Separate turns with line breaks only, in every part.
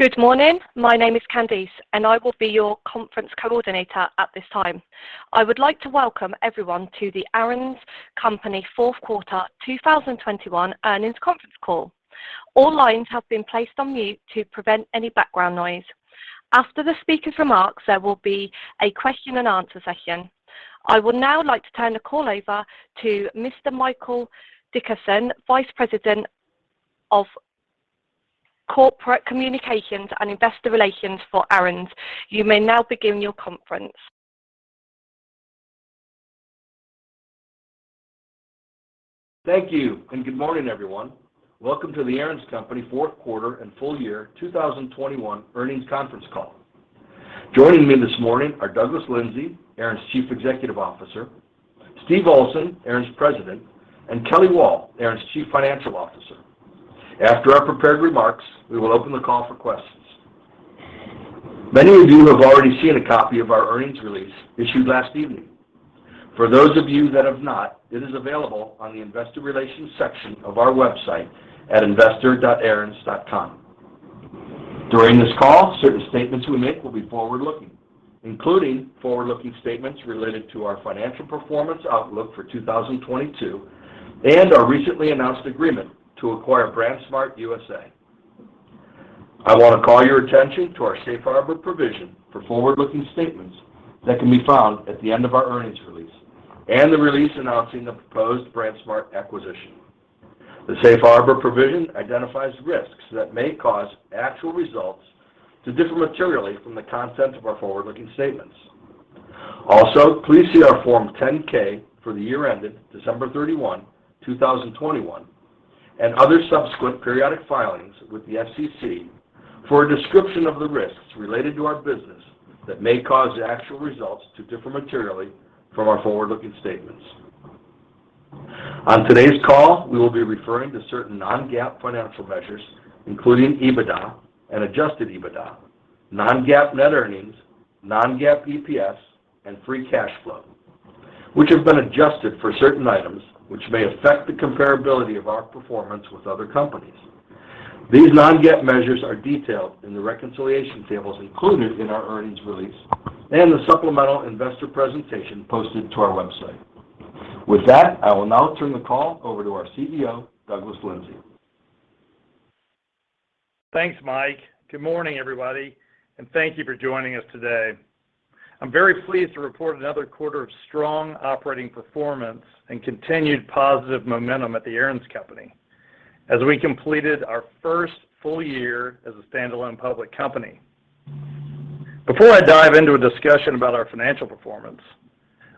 Good morning. My name is Candice, and I will be your conference coordinator at this time. I would like to welcome everyone to the Aaron's Company Fourth Quarter 2021 Earnings Conference Call. All lines have been placed on mute to prevent any background noise. After the speaker's remarks, there will be a question and answer session. I would now like to turn the call over to Mr. Michael Dickerson, Vice President of Corporate Communications and Investor Relations for Aaron's. You may now begin your conference.
Thank you, and good morning, everyone. Welcome to the Aaron's Company Fourth Quarter and Full-Year 2021 Earnings Conference Call. Joining me this morning are Douglas Lindsay, Aaron's Chief Executive Officer, Steve Olsen, Aaron's President, and Kelly Wall, Aaron's Chief Financial Officer. After our prepared remarks, we will open the call for questions. Many of you have already seen a copy of our earnings release issued last evening. For those of you that have not, it is available on the investor relations section of our website at investor.aarons.com. During this call, certain statements we make will be forward-looking, including forward-looking statements related to our financial performance outlook for 2022 and our recently announced agreement to acquire BrandsMart U.S.A. I want to call your attention to our safe harbor provision for forward-looking statements that can be found at the end of our earnings release and the release announcing the proposed BrandsMart acquisition. The safe harbor provision identifies risks that may cause actual results to differ materially from the content of our forward-looking statements. Also, please see our Form 10-K for the year ended December 31, 2021, and other subsequent periodic filings with the SEC for a description of the risks related to our business that may cause actual results to differ materially from our forward-looking statements. On today's call, we will be referring to certain non-GAAP financial measures, including EBITDA and adjusted EBITDA, non-GAAP net earnings, non-GAAP EPS, and free cash flow, which have been adjusted for certain items which may affect the comparability of our performance with other companies. These non-GAAP measures are detailed in the reconciliation tables included in our earnings release and the supplemental investor presentation posted to our website. With that, I will now turn the call over to our CEO, Douglas Lindsay.
Thanks, Mike. Good morning, everybody, and thank you for joining us today. I'm very pleased to report another quarter of strong operating performance and continued positive momentum at The Aaron's Company as we completed our first full-year as a standalone public company. Before I dive into a discussion about our financial performance,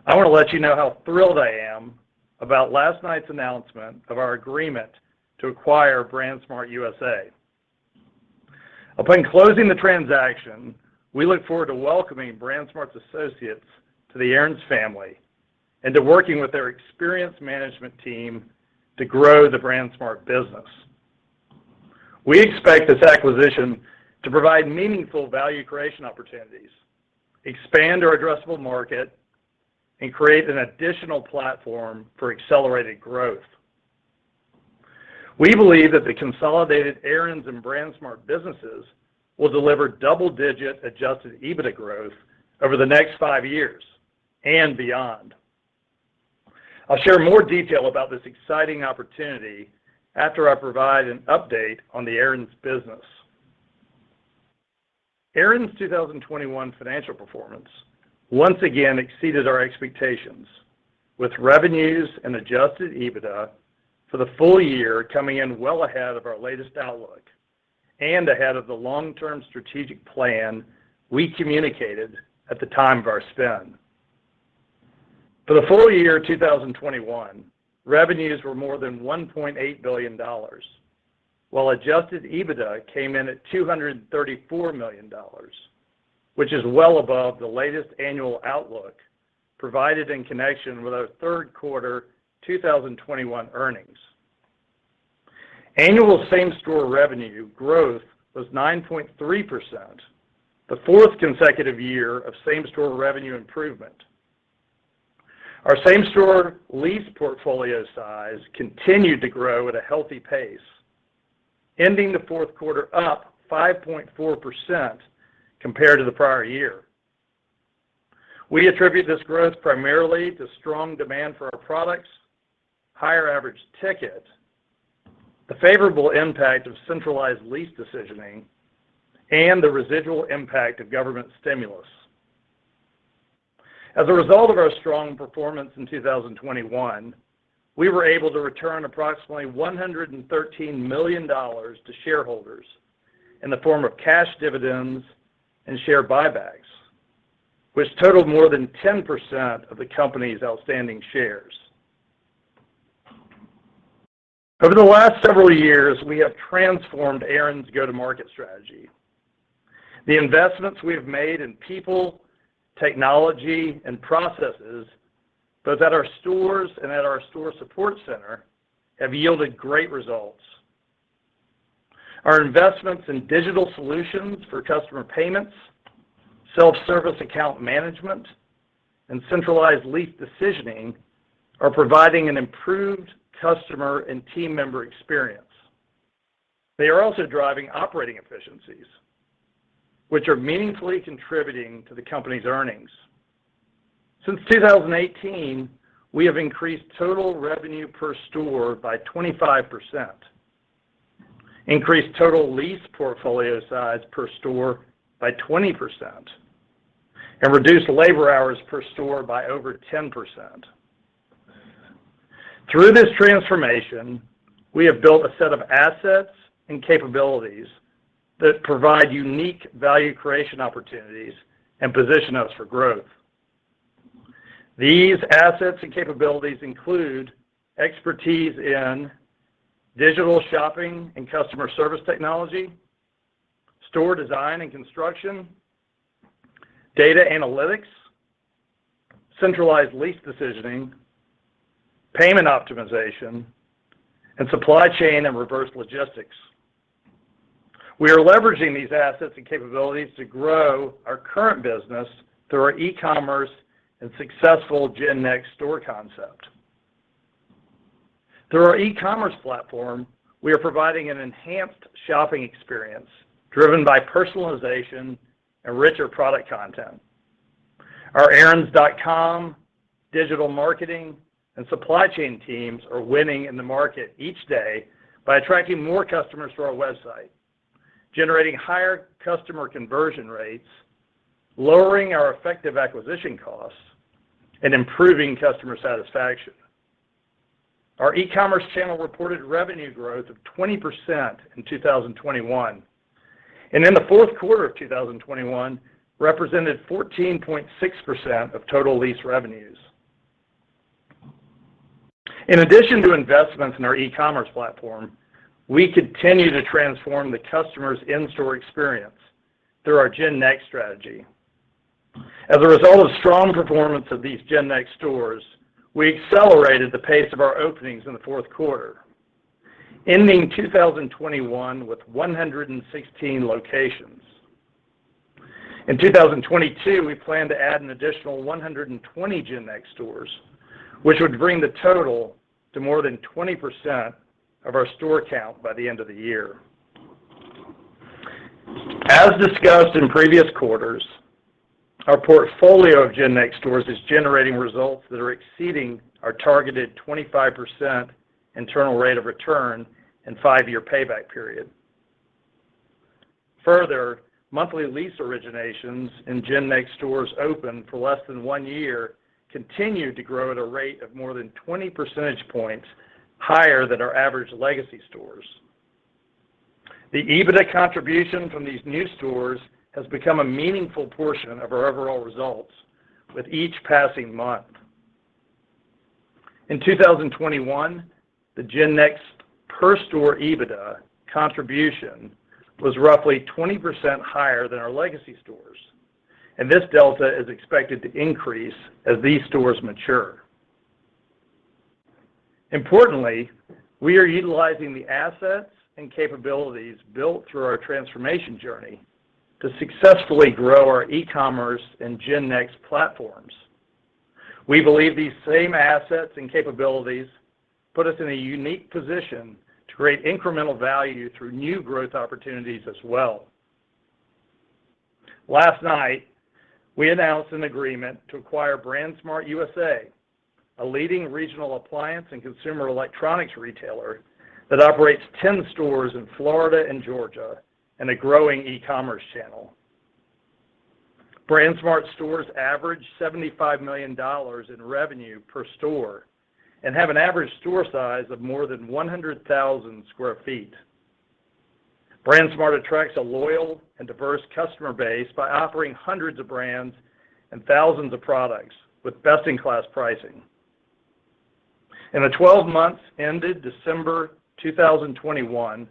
I wanna let you know how thrilled I am about last night's announcement of our agreement to acquire BrandsMart U.S.A. Upon closing the transaction, we look forward to welcoming BrandsMart's associates to the Aaron's family and to working with their experienced management team to grow the BrandsMart business. We expect this acquisition to provide meaningful value creation opportunities, expand our addressable market, and create an additional platform for accelerated growth. We believe that the consolidated Aaron's and BrandsMart businesses will deliver double-digit adjusted EBITDA growth over the next five years and beyond. I'll share more detail about this exciting opportunity after I provide an update on the Aaron's business. Aaron's 2021 financial performance once again exceeded our expectations with revenues and adjusted EBITDA for the full-year coming in well ahead of our latest outlook and ahead of the long-term strategic plan we communicated at the time of our spin. For the full-year 2021, revenues were more than $1.8 billion, while adjusted EBITDA came in at $234 million, which is well above the latest annual outlook provided in connection with our third quarter 2021 earnings. Annual same-store revenue growth was 9.3%, the fourth consecutive year of same-store revenue improvement. Our same-store lease portfolio size continued to grow at a healthy pace, ending the fourth quarter up 5.4% compared to the prior year. We attribute this growth primarily to strong demand for our products, higher average ticket, the favorable impact of centralized lease decisioning, and the residual impact of government stimulus. As a result of our strong performance in 2021, we were able to return approximately $113 million to shareholders in the form of cash dividends and share buybacks, which totaled more than 10% of the company's outstanding shares. Over the last several years, we have transformed Aaron's go-to-market strategy. The investments we have made in people, technology, and processes, both at our stores and at our store support center, have yielded great results. Our investments in digital solutions for customer payments, self-service account management and centralized lease decisioning are providing an improved customer and team member experience. They are also driving operating efficiencies, which are meaningfully contributing to the company's earnings. Since 2018, we have increased total revenue per store by 25%, increased total lease portfolio size per store by 20%, and reduced labor hours per store by over 10%. Through this transformation, we have built a set of assets and capabilities that provide unique value creation opportunities and position us for growth. These assets and capabilities include expertise in digital shopping and customer service technology, store design and construction, data analytics, centralized lease decisioning, payment optimization, and supply chain and reverse logistics. We are leveraging these assets and capabilities to grow our current business through our e-commerce and successful GenNext store concept. Through our e-commerce platform, we are providing an enhanced shopping experience driven by personalization and richer product content. Our aarons.com, digital marketing and supply chain teams are winning in the market each day by attracting more customers to our website, generating higher customer conversion rates, lowering our effective acquisition costs, and improving customer satisfaction. Our e-commerce channel reported revenue growth of 20% in 2021, and in the fourth quarter of 2021 represented 14.6% of total lease revenues. In addition to investments in our e-commerce platform, we continue to transform the customer's in-store experience through our GenNext strategy. As a result of strong performance of these GenNext stores, we accelerated the pace of our openings in the fourth quarter, ending 2021 with 116 locations. In 2022, we plan to add an additional 120 GenNext stores, which would bring the total to more than 20% of our store count by the end of the year. As discussed in previous quarters, our portfolio of GenNext stores is generating results that are exceeding our targeted 25% internal rate of return and five-year payback period. Further, monthly lease originations in GenNext stores open for less than one year continued to grow at a rate of more than 20 percentage points higher than our average legacy stores. The EBITDA contribution from these new stores has become a meaningful portion of our overall results with each passing month. In 2021, the GenNext per store EBITDA contribution was roughly 20% higher than our legacy stores, and this delta is expected to increase as these stores mature. Importantly, we are utilizing the assets and capabilities built through our transformation journey to successfully grow our e-commerce and GenNext platforms. We believe these same assets and capabilities put us in a unique position to create incremental value through new growth opportunities as well. Last night, we announced an agreement to acquire BrandsMart U.S.A., a leading regional appliance and consumer electronics retailer that operates 10 stores in Florida and Georgia and a growing e-commerce channel. BrandsMart stores average $75 million in revenue per store and have an average store size of more than 100,000 sq ft. BrandsMart attracts a loyal and diverse customer base by offering hundreds of brands and thousands of products with best-in-class pricing. In the 12 months ended December 2021,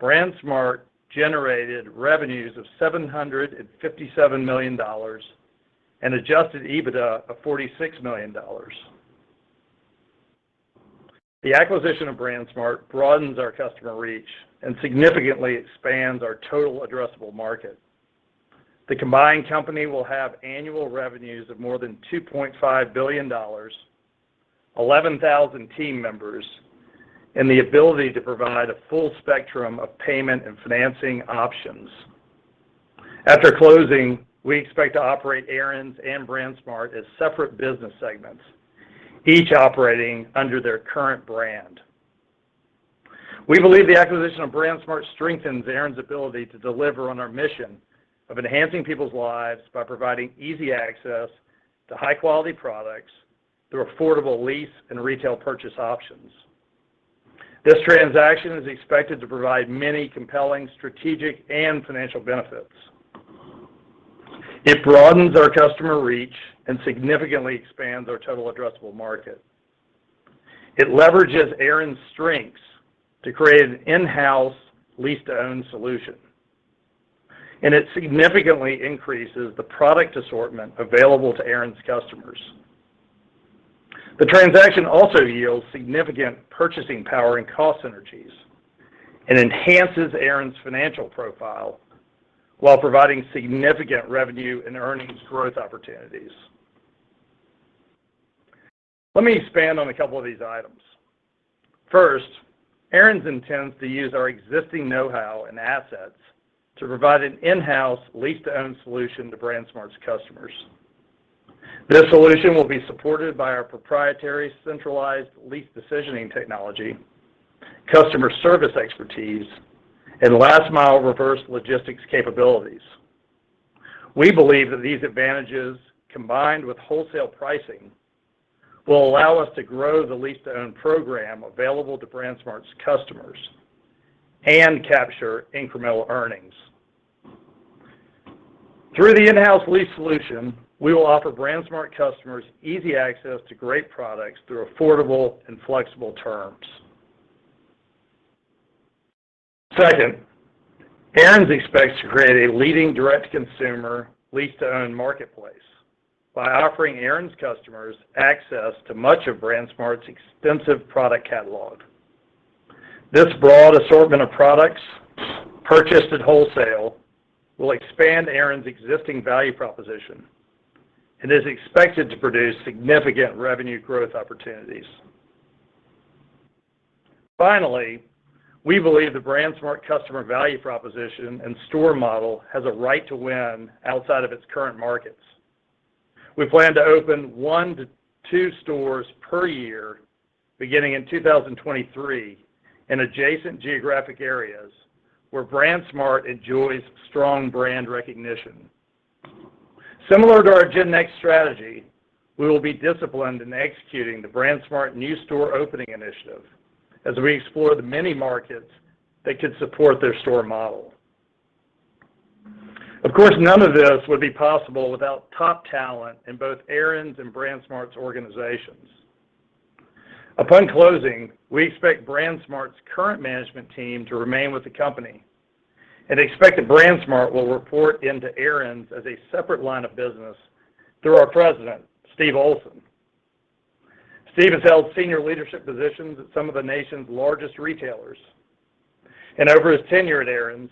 BrandsMart generated revenues of $757 million and adjusted EBITDA of $46 million. The acquisition of BrandsMart broadens our customer reach and significantly expands our total addressable market. The combined company will have annual revenues of more than $2.5 billion, 11,000 team members, and the ability to provide a full spectrum of payment and financing options. After closing, we expect to operate Aaron's and BrandsMart as separate business segments, each operating under their current brand. We believe the acquisition of BrandsMart strengthens Aaron's ability to deliver on our mission of enhancing people's lives by providing easy access to high-quality products through affordable lease and retail purchase options. This transaction is expected to provide many compelling strategic and financial benefits. It broadens our customer reach and significantly expands our total addressable market. It leverages Aaron's strengths to create an in-house lease-to-own solution, and it significantly increases the product assortment available to Aaron's customers. The transaction also yields significant purchasing power and cost synergies and enhances Aaron's financial profile while providing significant revenue and earnings growth opportunities. Let me expand on a couple of these items. First, Aaron's intends to use our existing know-how and assets to provide an in-house lease-to-own solution to BrandsMart's customers. This solution will be supported by our proprietary centralized lease decisioning technology, customer service expertise, and last mile reverse logistics capabilities. We believe that these advantages, combined with wholesale pricing, will allow us to grow the lease-to-own program available to BrandsMart's customers and capture incremental earnings. Through the in-house lease solution, we will offer BrandsMart customers easy access to great products through affordable and flexible terms. Second, Aaron's expects to create a leading direct-to-consumer lease-to-own marketplace by offering Aaron's customers access to much of BrandsMart's extensive product catalog. This broad assortment of products purchased at wholesale will expand Aaron's existing value proposition and is expected to produce significant revenue growth opportunities. Finally, we believe the BrandsMart customer value proposition and store model has a right to win outside of its current markets. We plan to open one to two stores per year beginning in 2023 in adjacent geographic areas where BrandsMart enjoys strong brand recognition. Similar to our GenNext strategy, we will be disciplined in executing the BrandsMart new store opening initiative as we explore the many markets that could support their store model. Of course, none of this would be possible without top talent in both Aaron's and BrandsMart's organizations. Upon closing, we expect BrandsMart's current management team to remain with the company and expect that BrandsMart will report into Aaron's as a separate line of business through our president, Steve Olsen. Steve has held senior leadership positions at some of the nation's largest retailers, and over his tenure at Aaron's,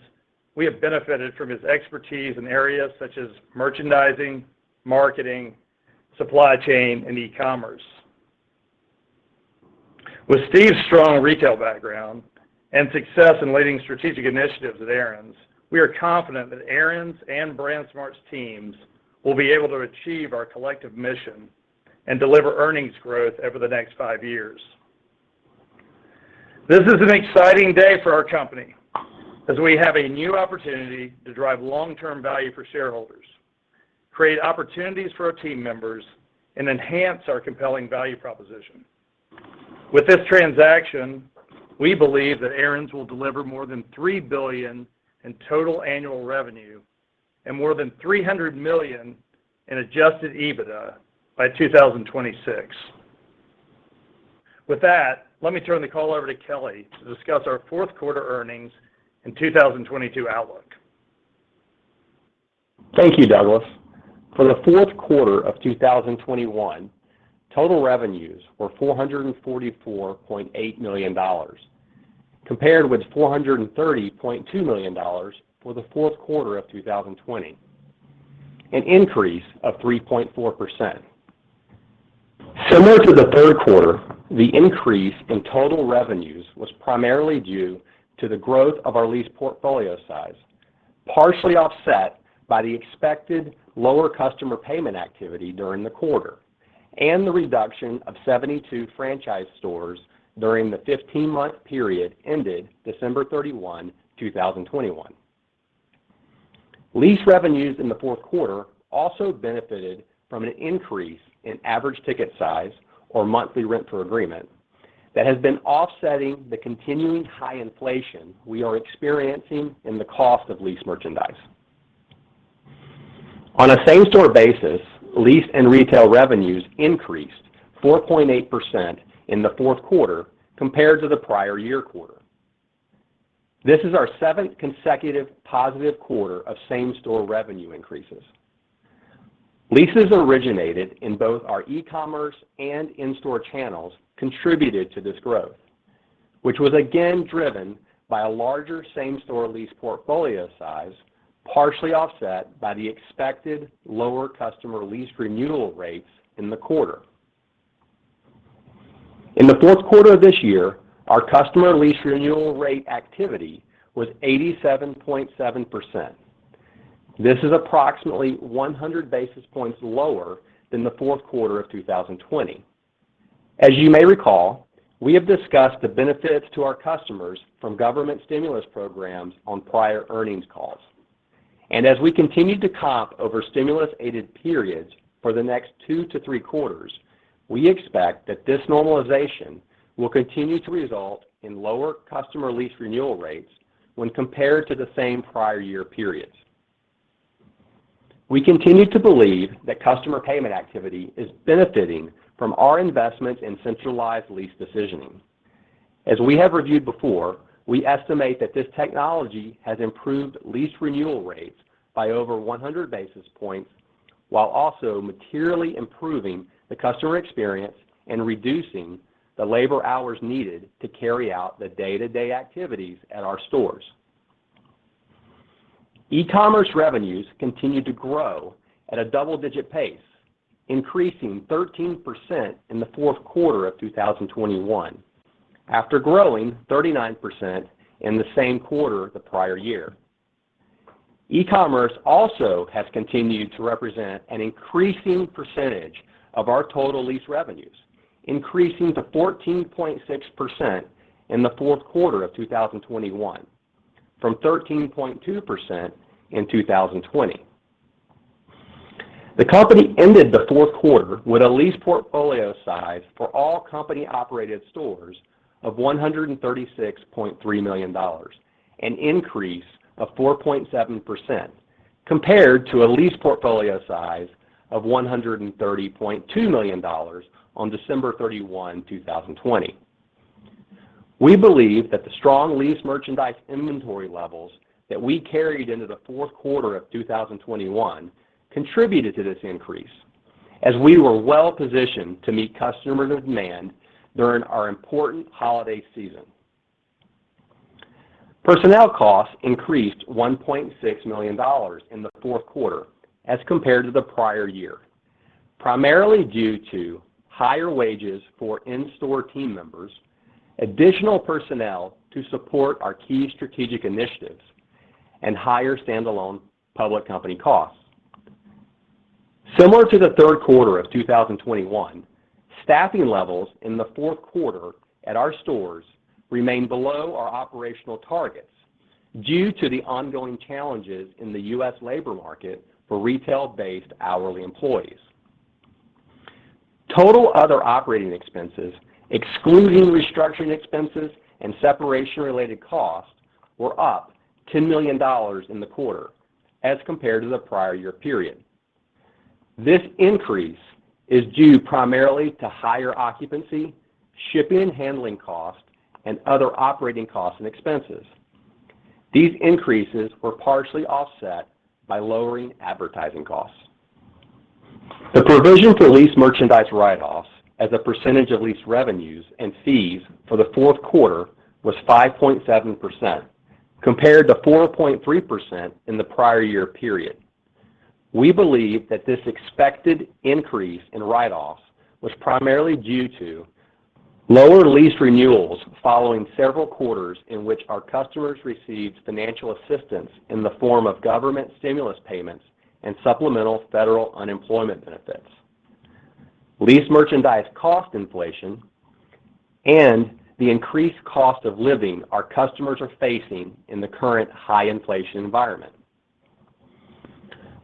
we have benefited from his expertise in areas such as merchandising, marketing, supply chain, and e-commerce. With Steve's strong retail background and success in leading strategic initiatives at Aaron's, we are confident that Aaron's and BrandsMart's teams will be able to achieve our collective mission and deliver earnings growth over the next five years. This is an exciting day for our company as we have a new opportunity to drive long-term value for shareholders, create opportunities for our team members, and enhance our compelling value proposition. With this transaction, we believe that Aaron's will deliver more than $3 billion in total annual revenue and more than $300 million in adjusted EBITDA by 2026. With that, let me turn the call over to Kelly to discuss our fourth quarter earnings and 2022 outlook.
Thank you, Douglas. For the fourth quarter of 2021, total revenues were $444.8 million, compared with $430.2 million for the fourth quarter of 2020, an increase of 3.4%. Similar to the third quarter, the increase in total revenues was primarily due to the growth of our lease portfolio size, partially offset by the expected lower customer payment activity during the quarter and the reduction of 72 franchise stores during the 15-month period ended December 31, 2021. Lease revenues in the fourth quarter also benefited from an increase in average ticket size or monthly rent per agreement that has been offsetting the continuing high inflation we are experiencing in the cost of lease merchandise. On a same-store basis, lease and retail revenues increased 4.8% in the fourth quarter compared to the prior year quarter. This is our seventh consecutive positive quarter of same-store revenue increases. Leases originated in both our e-commerce and in-store channels contributed to this growth, which was again driven by a larger same-store lease portfolio size, partially offset by the expected lower customer lease renewal rates in the quarter. In the fourth quarter of this year, our customer lease renewal rate activity was 87.7%. This is approximately 100 basis points lower than the fourth quarter of 2020. As you may recall, we have discussed the benefits to our customers from government stimulus programs on prior earnings calls. As we continue to comp over stimulus-aided periods for the next two to three quarters, we expect that this normalization will continue to result in lower customer lease renewal rates when compared to the same prior year periods. We continue to believe that customer payment activity is benefiting from our investment in centralized lease decisioning. As we have reviewed before, we estimate that this technology has improved lease renewal rates by over 100 basis points while also materially improving the customer experience and reducing the labor hours needed to carry out the day-to-day activities at our stores. E-commerce revenues continued to grow at a double-digit pace, increasing 13% in the fourth quarter of 2021 after growing 39% in the same quarter the prior year. E-commerce also has continued to represent an increasing percentage of our total lease revenues, increasing to 14.6% in the fourth quarter of 2021 from 13.2% in 2020. The company ended the fourth quarter with a lease portfolio size for all company-operated stores of $136.3 million, an increase of 4.7% compared to a lease portfolio size of $130.2 million on December 31, 2020. We believe that the strong lease merchandise inventory levels that we carried into the fourth quarter of 2021 contributed to this increase as we were well-positioned to meet customer demand during our important holiday season. Personnel costs increased $1.6 million in the fourth quarter as compared to the prior year, primarily due to higher wages for in-store team members, additional personnel to support our key strategic initiatives, and higher stand-alone public company costs. Similar to the third quarter of 2021, staffing levels in the fourth quarter at our stores remained below our operational targets due to the ongoing challenges in the U.S. labor market for retail-based hourly employees. Total other operating expenses, excluding restructuring expenses and separation-related costs, were up $10 million in the quarter as compared to the prior year period. This increase is due primarily to higher occupancy, shipping and handling costs, and other operating costs and expenses. These increases were partially offset by lowering advertising costs. The provision for lease merchandise write-offs as a percentage of lease revenues and fees for the fourth quarter was 5.7% compared to 4.3% in the prior year period. We believe that this expected increase in write-offs was primarily due to lower lease renewals following several quarters in which our customers received financial assistance in the form of government stimulus payments and supplemental federal unemployment benefits, lease merchandise cost inflation, and the increased cost of living our customers are facing in the current high inflation environment.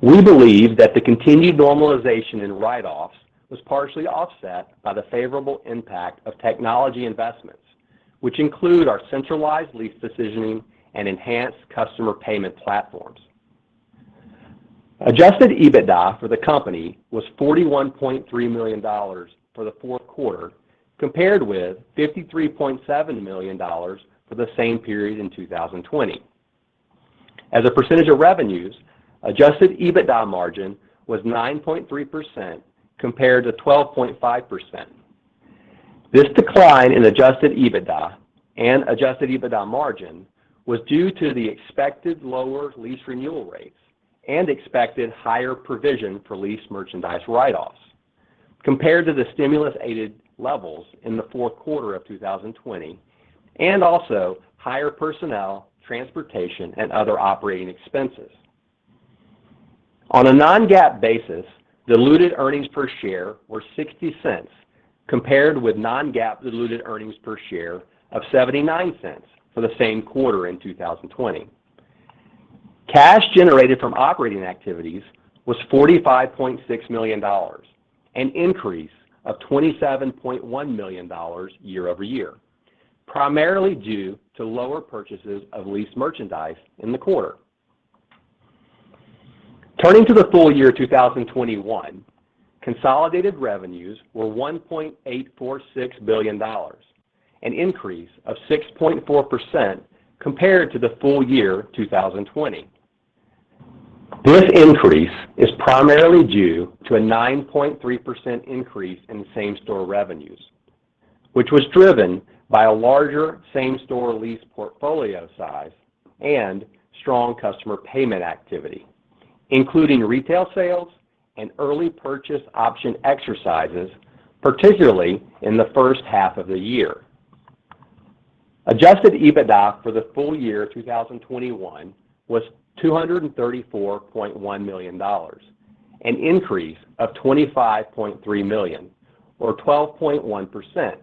We believe that the continued normalization in write-offs was partially offset by the favorable impact of technology investments, which include our centralized lease decisioning and enhanced customer payment platforms. Adjusted EBITDA for the company was $41.3 million for the fourth quarter compared with $53.7 million for the same period in 2020. As a percentage of revenues, adjusted EBITDA margin was 9.3% compared to 12.5%. This decline in adjusted EBITDA and adjusted EBITDA margin was due to the expected lower lease renewal rates and expected higher provision for lease merchandise write-offs compared to the stimulus-aided levels in the fourth quarter of 2020 and also higher personnel, transportation, and other operating expenses. On a non-GAAP basis, diluted earnings per share were $0.60 compared with non-GAAP diluted earnings per share of $0.79 for the same quarter in 2020. Cash generated from operating activities was $45.6 million, an increase of $27.1 million year-over-year, primarily due to lower purchases of lease merchandise in the quarter. Turning to the full-year 2021, consolidated revenues were $1.846 billion, an increase of 6.4% compared to the full-year 2020. This increase is primarily due to a 9.3% increase in same-store revenues, which was driven by a larger same-store lease portfolio size and strong customer payment activity, including retail sales and early purchase option exercises, particularly in the first half of the year. Adjusted EBITDA for the full-year 2021 was $234.1 million, an increase of $25.3 million or 12.1%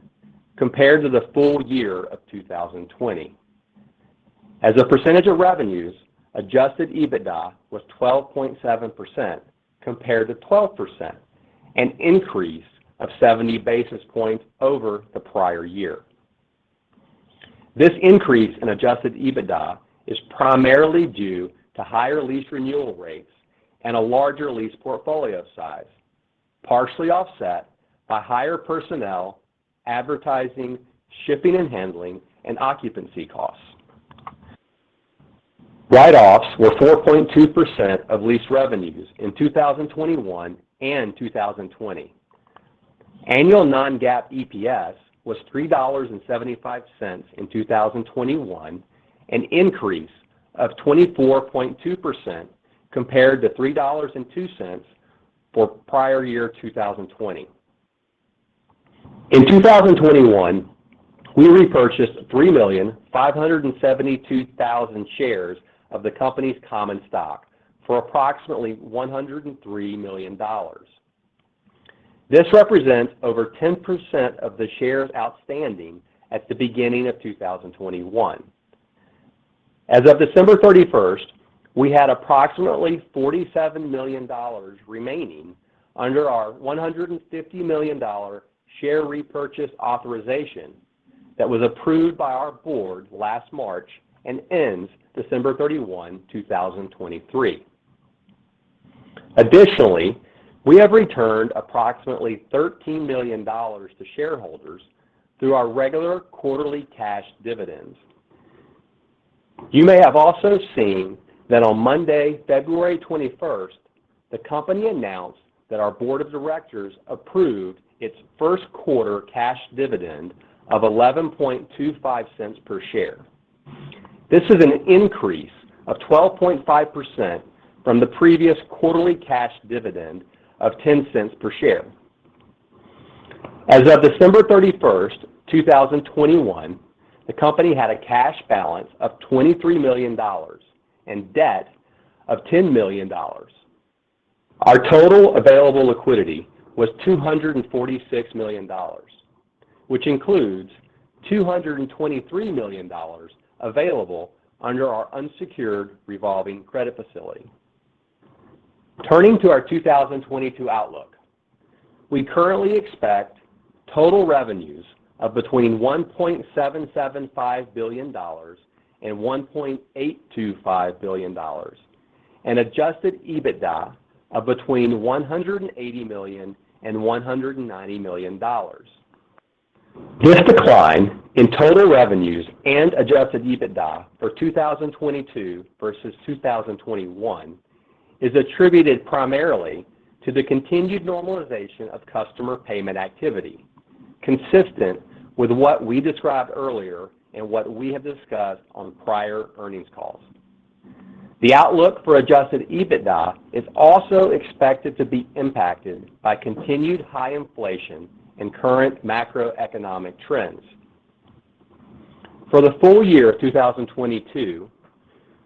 compared to the full-year of 2020. As a percentage of revenues, adjusted EBITDA was 12.7% compared to 12%, an increase of 70 basis points over the prior year. This increase in adjusted EBITDA is primarily due to higher lease renewal rates and a larger lease portfolio size. Partially offset by higher personnel, advertising, shipping and handling, and occupancy costs. Write-offs were 4.2% of lease revenues in 2021 and 2020. Annual non-GAAP EPS was $3.75 in 2021, an increase of 24.2% compared to $3.02 for prior year 2020. In 2021, we repurchased 3,572,000 shares of the company's common stock for approximately $103 million. This represents over 10% of the shares outstanding at the beginning of 2021. As of December 31, we had approximately $47 million remaining under our $150 million share repurchase authorization that was approved by our board last March and ends December 31, 2023. Additionally, we have returned approximately $13 million to shareholders through our regular quarterly cash dividends. You may have also seen that on Monday, February 21, the company announced that our board of directors approved its first quarter cash dividend of $0.1125 per share. This is an increase of 12.5% from the previous quarterly cash dividend of $0.10 per share. As of December 31, 2021, the company had a cash balance of $23 million and debt of $10 million. Our total available liquidity was $246 million, which includes $223 million available under our unsecured revolving credit facility. Turning to our 2022 outlook. We currently expect total revenues of between $1.775 billion and $1.825 billion and adjusted EBITDA of between $180 million and $190 million. This decline in total revenues and adjusted EBITDA for 2022 versus 2021 is attributed primarily to the continued normalization of customer payment activity, consistent with what we described earlier and what we have discussed on prior earnings calls. The outlook for adjusted EBITDA is also expected to be impacted by continued high inflation and current macroeconomic trends. For the full-year of 2022,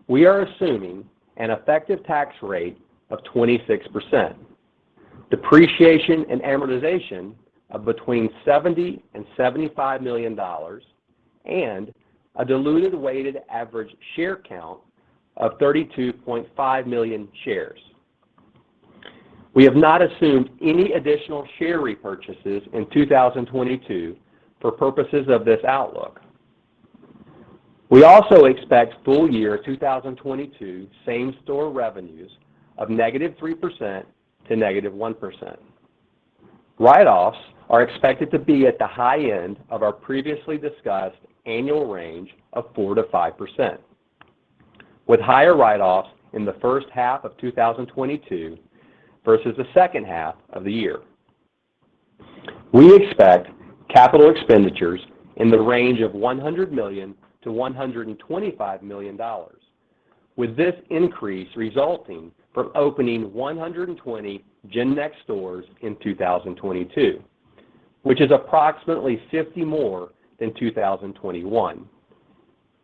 we are assuming an effective tax rate of 26%, depreciation and amortization of between $70-75 million, and a diluted weighted average share count of 32.5 million shares. We have not assumed any additional share repurchases in 2022 for purposes of this outlook. We also expect full-year 2022 same-store revenues of -3% to -1%. Write-offs are expected to be at the high end of our previously discussed annual range of 4%-5%, with higher write-offs in the first half of 2022 versus the second half of the year. We expect capital expenditures in the range of $100-125 million, with this increase resulting from opening 120 GenNext stores in 2022, which is approximately 50 more than 2021.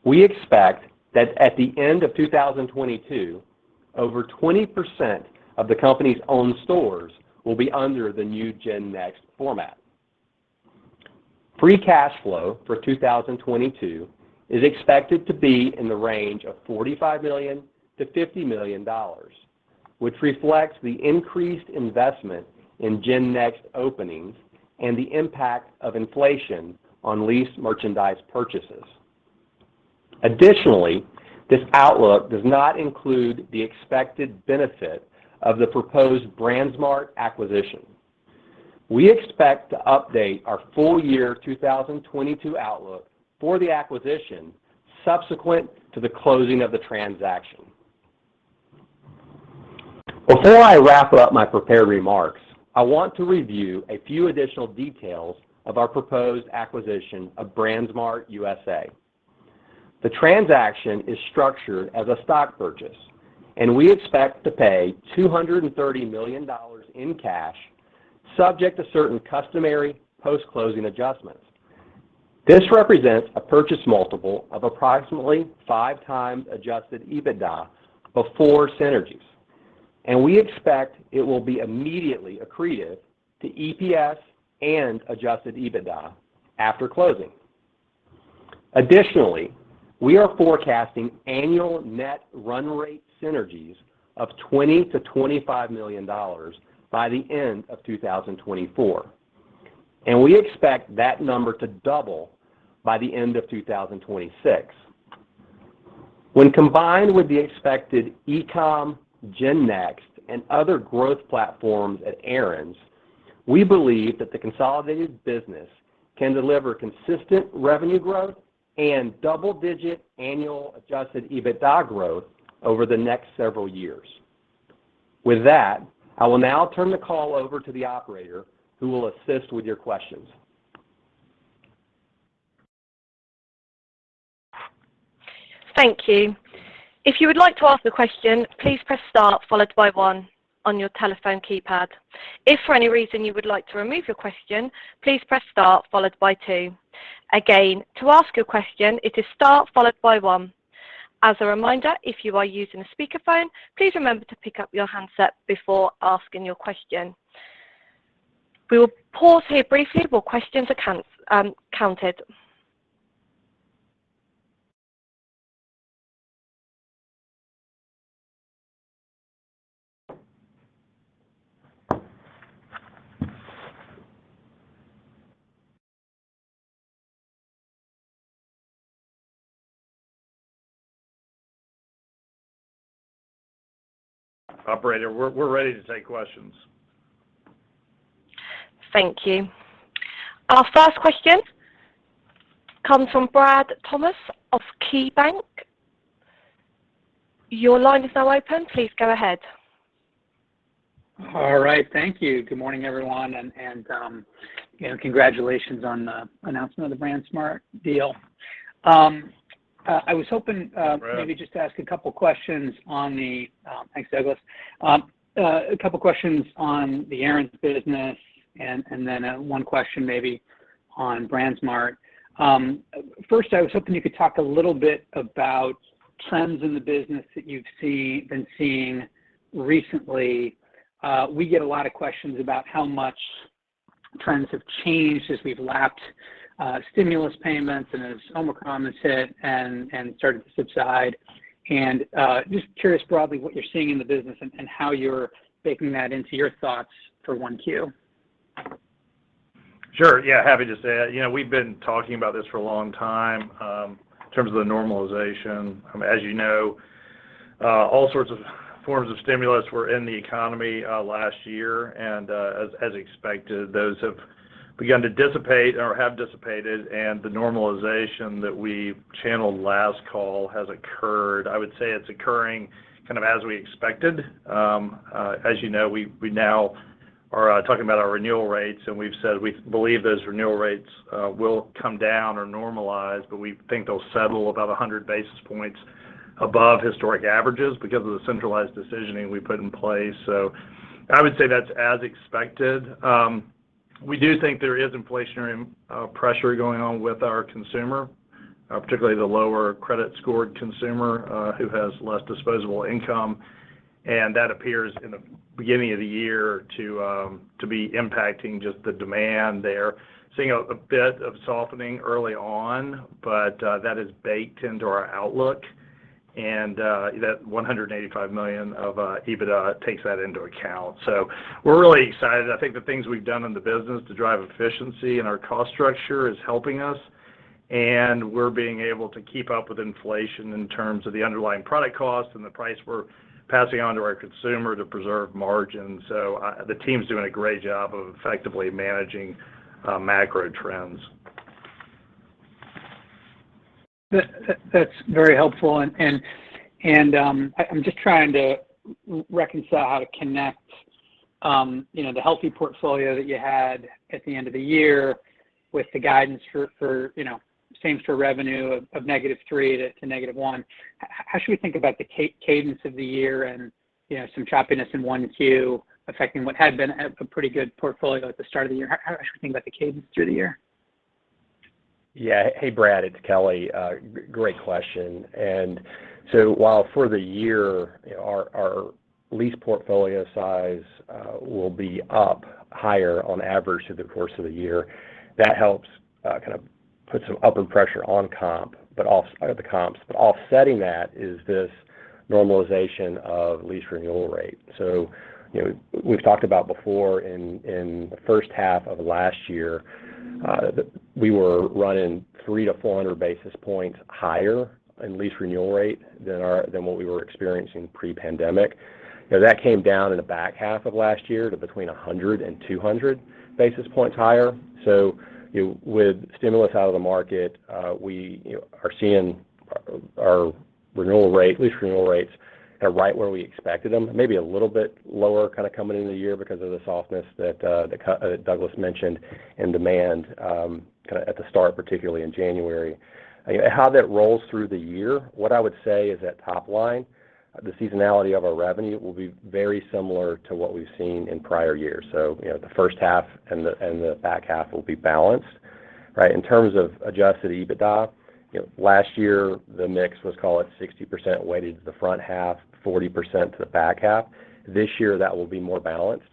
We expect that at the end of 2022, over 20% of the company's own stores will be under the new GenNext format. Free cash flow for 2022 is expected to be in the range of $45-50 million, which reflects the increased investment in GenNext openings and the impact of inflation on lease merchandise purchases. Additionally, this outlook does not include the expected benefit of the proposed BrandsMart acquisition. We expect to update our full-year 2022 outlook for the acquisition subsequent to the closing of the transaction. Before I wrap up my prepared remarks, I want to review a few additional details of our proposed acquisition of BrandsMart U.S.A. The transaction is structured as a stock purchase, and we expect to pay $230 million in cash, subject to certain customary post-closing adjustments. This represents a purchase multiple of approximately 5x adjusted EBITDA before synergies, and we expect it will be immediately accretive to EPS and adjusted EBITDA after closing. Additionally, we are forecasting annual net run rate synergies of $20-25 million by the end of 2024, and we expect that number to double by the end of 2026. When combined with the expected e-com, GenNext, and other growth platforms at Aaron's, we believe that the consolidated business can deliver consistent revenue growth and double-digit annual adjusted EBITDA growth over the next several years. With that, I will now turn the call over to the operator who will assist with your questions.
Thank you. If you would like to ask a question, please press star followed by one on your telephone keypad. If for any reason you would like to remove your question, please press star followed by two. Again, to ask a question, it is star followed by one. As a reminder, if you are using a speakerphone, please remember to pick up your handset before asking your question. We will pause here briefly while questions are count, um, counted.
Operator, we're ready to take questions.
Thank you. Our first question comes from Brad Thomas of KeyBanc. Your line is now open. Please go ahead.
All right. Thank you. Good morning, everyone, you know, congratulations on the announcement of the BrandsMart deal. I was hoping maybe just to ask a couple questions. Thanks, Douglas. A couple questions on the Aaron's business and then one question maybe on BrandsMart. First, I was hoping you could talk a little bit about trends in the business that you've been seeing recently. We get a lot of questions about how much trends have changed as we've lapped stimulus payments and as Omicron has hit and started to subside. Just curious broadly what you're seeing in the business and how you're baking that into your thoughts for 1Q.
Sure. Yeah, happy to say. You know, we've been talking about this for a long time, in terms of the normalization. As you know, all sorts of forms of stimulus were in the economy, last year, and, as expected, those have begun to dissipate or have dissipated, and the normalization that we expected last call has occurred. I would say it's occurring kind of as we expected. As you know, we now are talking about our renewal rates, and we've said we believe those renewal rates will come down or normalize, but we think they'll settle about 100 basis points above historic averages because of the centralized decisioning we put in place. I would say that's as expected. We do think there is inflationary pressure going on with our consumer, particularly the lower credit scored consumer, who has less disposable income, and that appears in the beginning of the year to be impacting just the demand there. Seeing a bit of softening early on, but that is baked into our outlook, and that $185 million of EBITDA takes that into account. We're really excited. I think the things we've done in the business to drive efficiency in our cost structure is helping us, and we're being able to keep up with inflation in terms of the underlying product costs and the price we're passing on to our consumer to preserve margin. The team's doing a great job of effectively managing macro trends.
That's very helpful. I'm just trying to reconcile how to connect, you know, the healthy portfolio that you had at the end of the year with the guidance for, you know, same store revenue of -3% to -1%. How should we think about the cadence of the year and, you know, some choppiness in one Q affecting what had been a pretty good portfolio at the start of the year? How should we think about the cadence through the year?
Hey, Brad, it's Kelly. Great question. While for the year, our lease portfolio size will be up higher on average through the course of the year, that helps kind of put some upward pressure on comp, but the comps. Offsetting that is this normalization of lease renewal rate. You know, we've talked about before in the first half of last year that we were running 300-400 basis points higher in lease renewal rate than what we were experiencing pre-pandemic. You know, that came down in the back half of last year to between 100 and 200 basis points higher. You know, with stimulus out of the market, we, you know, are seeing our lease renewal rates are right where we expected them, maybe a little bit lower kind of coming into the year because of the softness that that Douglas mentioned in demand, kind of at the start, particularly in January. You know, how that rolls through the year, what I would say is at top line, the seasonality of our revenue will be very similar to what we've seen in prior years. You know, the first half and the back half will be balanced, right? In terms of adjusted EBITDA, you know, last year, the mix was, call it, 60% weighted to the front half, 40% to the back half. This year, that will be more balanced,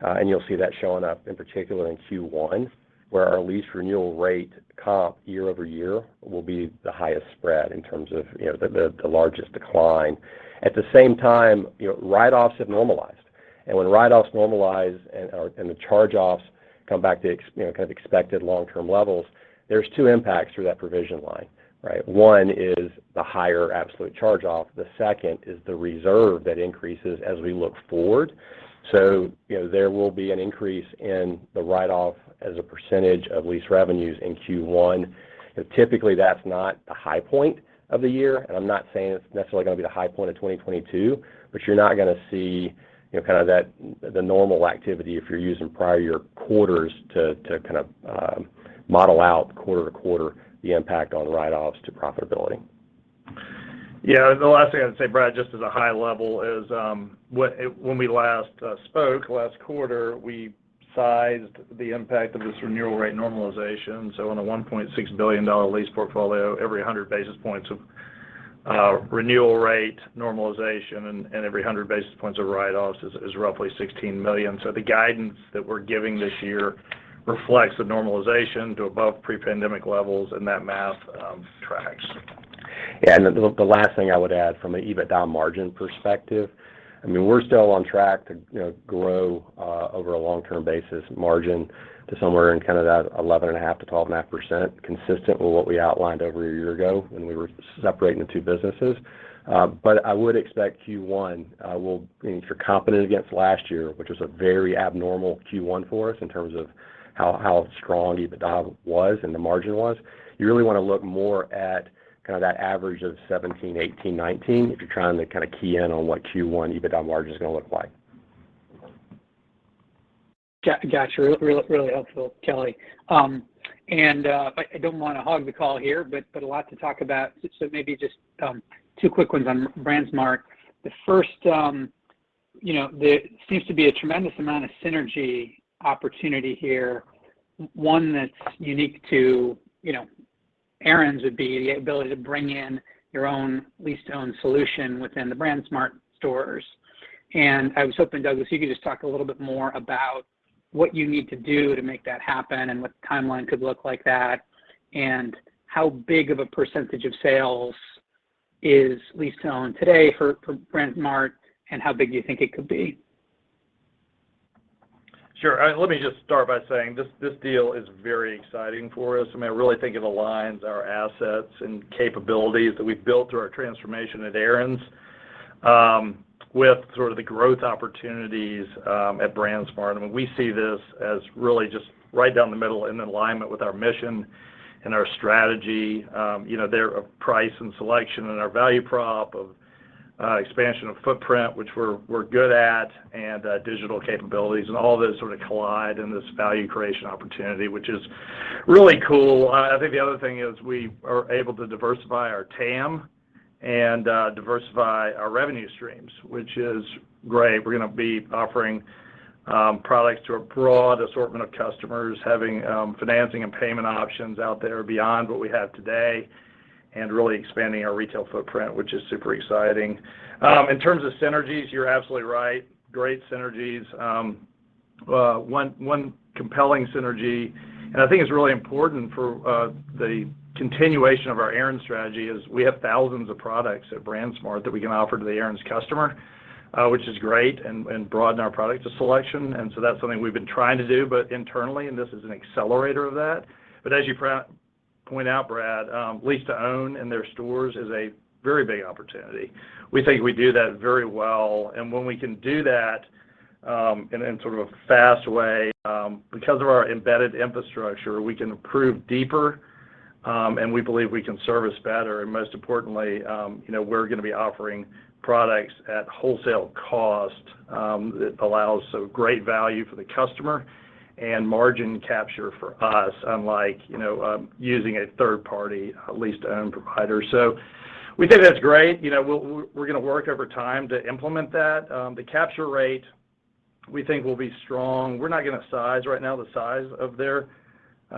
and you'll see that showing up in particular in Q1, where our lease renewal rate comp year-over-year will be the highest spread in terms of, you know, the largest decline. At the same time, you know, write-offs have normalized. When write-offs normalize and the charge-offs come back to you know, kind of expected long-term levels, there's two impacts through that provision line, right? One is the higher absolute charge-off. The second is the reserve that increases as we look forward. You know, there will be an increase in the write-off as a percentage of lease revenues in Q1. Typically, that's not the high point of the year, and I'm not saying it's necessarily gonna be the high point of 2022, but you're not gonna see, you know, kind of that the normal activity if you're using prior year quarters to kind of model out quarter-to-quarter the impact on write-offs to profitability.
Yeah. The last thing I'd say, Brad, just as a high level is, when we last spoke last quarter, we sized the impact of this renewal rate normalization. On a $1.6 billion lease portfolio, every 100 basis points of renewal rate normalization and every 100 basis points of write-offs is roughly $16 million. The guidance that we're giving this year reflects the normalization to above pre-pandemic levels, and that math tracks.
Yeah. The last thing I would add from an EBITDA margin perspective, I mean, we're still on track to, you know, grow over a long-term basis margin to somewhere in kind of that 11.5%-12.5%, consistent with what we outlined over a year ago when we were separating the two businesses. I would expect Q1, I mean, if you're competing against last year, which was a very abnormal Q1 for us in terms of how strong EBITDA was and the margin was, you really wanna look more at kind of that average of 17, 18, 19 if you're trying to kind of key in on what Q1 EBITDA margin is gonna look like.
Got you. Really helpful, Kelly. I don't wanna hog the call here, but a lot to talk about, so maybe just two quick ones on BrandsMart. The first, you know, there seems to be a tremendous amount of synergy opportunity here, one that's unique to, you know, Aaron's would be the ability to bring in your own lease-to-own solution within the BrandsMart stores. I was hoping, Douglas, you could just talk a little bit more about what you need to do to make that happen and what the timeline could look like, and how big of a percentage of sales is lease-to-own today for BrandsMart, and how big you think it could be.
Sure. All right. Let me just start by saying this deal is very exciting for us. I mean, I really think it aligns our assets and capabilities that we've built through our transformation at Aaron's with sort of the growth opportunities at BrandsMart. I mean, we see this as really just right down the middle in alignment with our mission and our strategy. You know, their price and selection and our value prop of expansion of footprint, which we're good at, and digital capabilities, and all of those sort of collide in this value creation opportunity, which is really cool. I think the other thing is we are able to diversify our TAM and diversify our revenue streams, which is great. We're gonna be offering products to a broad assortment of customers, having financing and payment options out there beyond what we have today and really expanding our retail footprint, which is super exciting. In terms of synergies, you're absolutely right. Great synergies. One compelling synergy, and I think it's really important for the continuation of our Aaron's strategy is we have thousands of products at BrandsMart that we can offer to the Aaron's customer, which is great and broaden our product selection. That's something we've been trying to do, but internally, and this is an accelerator of that. As you point out, Brad, lease-to-own in their stores is a very big opportunity. We think we do that very well. When we can do that, in sort of a fast way, because of our embedded infrastructure, we can approve deeper, and we believe we can service better. Most importantly, you know, we're gonna be offering products at wholesale cost, that allows so great value for the customer and margin capture for us, unlike, you know, using a third-party lease-to-own provider. We think that's great. You know, we're gonna work over time to implement that. The capture rate we think will be strong. We're not gonna size right now the size of their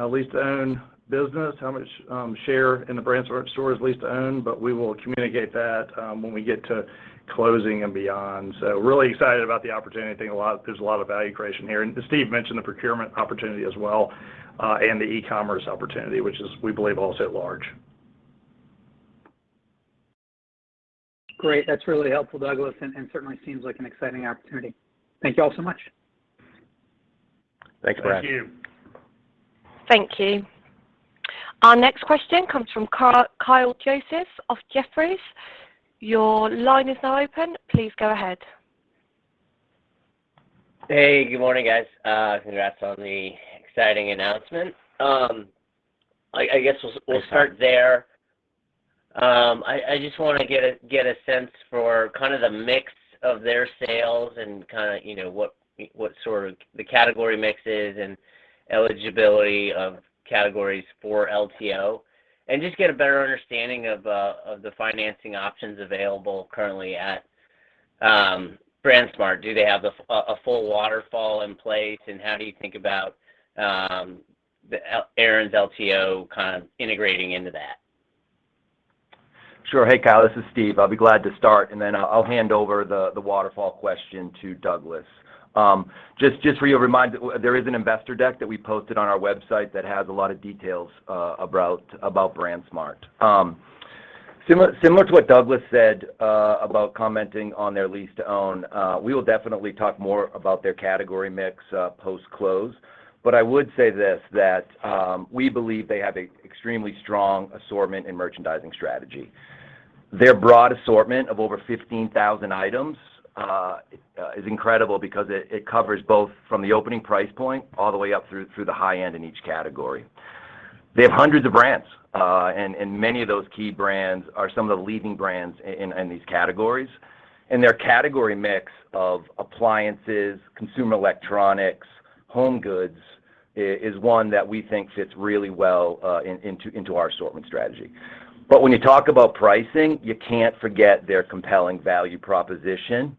lease-to-own business, how much share in the BrandsMart store is lease-to-own, but we will communicate that when we get to closing and beyond. Really excited about the opportunity. I think there's a lot of value creation here. Steve mentioned the procurement opportunity as well, and the e-commerce opportunity, which is, we believe, also at large.
Great. That's really helpful, Douglas, and certainly seems like an exciting opportunity. Thank you all so much.
Thanks, Brad.
Thank you.
Thank you. Our next question comes from Kyle Joseph of Jefferies. Your line is now open. Please go ahead.
Hey, good morning, guys. Congrats on the exciting announcement. I guess we'll start there. I just want to get a sense for kind of the mix of their sales and kind of, you know, what sort of the category mix is and eligibility of categories for LTO, and just get a better understanding of the financing options available currently at BrandsMart. Do they have a full waterfall in place, and how do you think about the Aaron's LTO kind of integrating into that?
Sure. Hey, Kyle. This is Steve. I'll be glad to start, and then I'll hand over the waterfall question to Douglas. Just as a reminder, there is an investor deck that we posted on our website that has a lot of details about BrandsMart. Similar to what Douglas said about commenting on their lease-to-own, we will definitely talk more about their category mix post-close. I would say this, that we believe they have an extremely strong assortment and merchandising strategy. Their broad assortment of over 15,000 items is incredible because it covers both from the opening price point all the way up through the high end in each category. They have hundreds of brands, and many of those key brands are some of the leading brands in these categories. Their category mix of appliances, consumer electronics, home goods is one that we think fits really well into our assortment strategy. When you talk about pricing, you can't forget their compelling value proposition,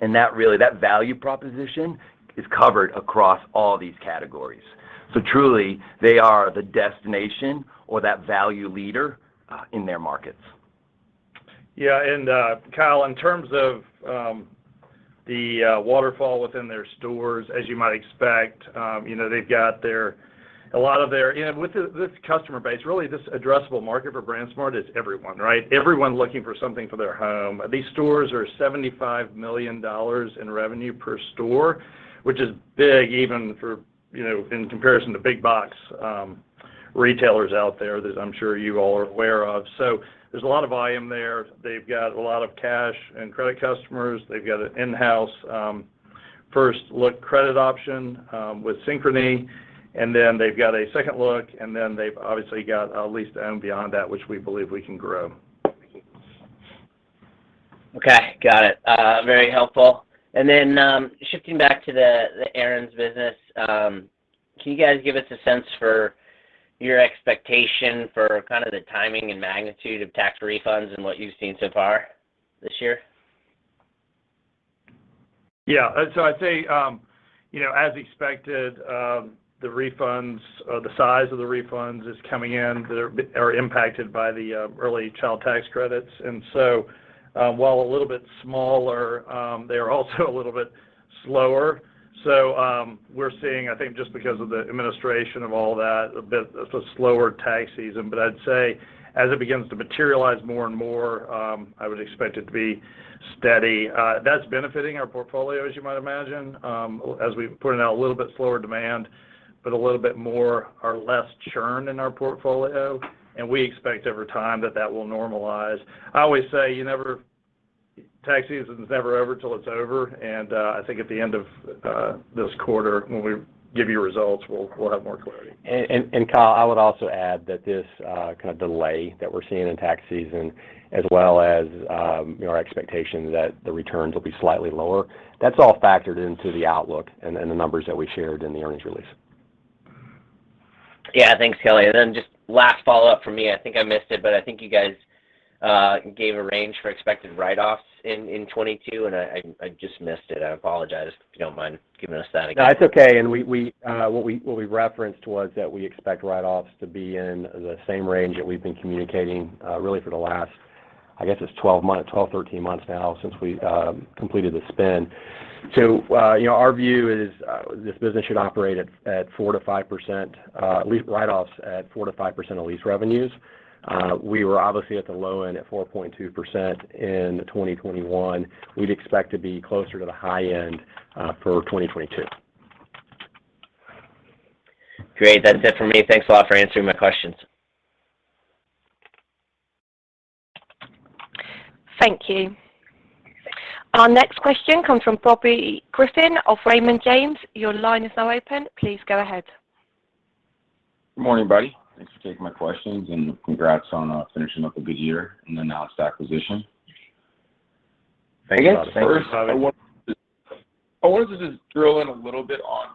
and that really, that value proposition is covered across all these categories. Truly, they are the destination or that value leader in their markets.
Yeah. Kyle, in terms of the waterfall within their stores, as you might expect, you know, with this customer base, really this addressable market for BrandsMart is everyone, right? Everyone looking for something for their home. These stores are $75 million in revenue per store, which is big even for, you know, in comparison to big box retailers out there that I'm sure you all are aware of. There's a lot of volume there. They've got a lot of cash and credit customers. They've got an in-house first look credit option with Synchrony, and then they've got a second look, and then they've obviously got a lease-to-own beyond that, which we believe we can grow.
Okay. Got it. Very helpful. Shifting back to the Aaron's business, can you guys give us a sense for your expectation for kind of the timing and magnitude of tax refunds and what you've seen so far this year?
Yeah, I'd say, you know, as expected, the refunds or the size of the refunds is coming in. They're impacted by the early child tax credits. While a little bit smaller, they're also a little bit slower. We're seeing, I think, just because of the administration of all that, a bit of a slower tax season. I'd say as it begins to materialize more and more, I would expect it to be steady. That's benefiting our portfolio, as you might imagine, as we've pointed out, a little bit slower demand, but a little bit more or less churn in our portfolio. We expect over time that that will normalize. I always say tax season's never over till it's over, and I think at the end of this quarter when we give you results, we'll have more clarity.
Kyle, I would also add that this kind of delay that we're seeing in tax season as well as our expectation that the returns will be slightly lower, that's all factored into the outlook and the numbers that we shared in the earnings release.
Yeah. Thanks, Kelly. Then just last follow-up from me, I think I missed it, but I think you guys gave a range for expected write-offs in 2022, and I just missed it. I apologize, if you don't mind giving us that again.
No, it's okay. What we referenced was that we expect write-offs to be in the same range that we've been communicating really for the last, I guess, 12 to 13 months now since we completed the spin. You know, our view is this business should operate at 4%-5% lease write-offs at 4%-5% of lease revenues. We were obviously at the low end at 4.2% in 2021. We'd expect to be closer to the high end for 2022.
Great. That's it for me. Thanks a lot for answering my questions.
Thank you. Our next question comes from Bobby Griffin of Raymond James. Your line is now open. Please go ahead.
Good morning, everybody. Thanks for taking my questions, and congrats on finishing up a good year and the announced acquisition.
Thank you.
Thanks, Bobby.
I wanted to just drill in a little bit on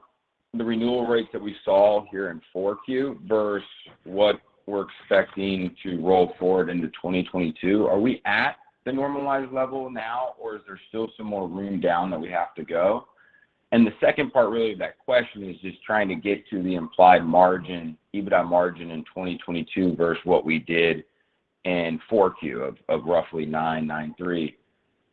the renewal rates that we saw here in Q4 versus what we're expecting to roll forward into 2022. Are we at the normalized level now, or is there still some more room down that we have to go? The second part really of that question is just trying to get to the implied margin, EBITDA margin in 2022 versus what we did in Q4 of roughly 9.93%.